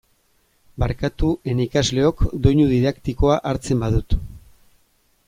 Barkatu, ene ikasleok, doinu didaktikoa hartzen badut.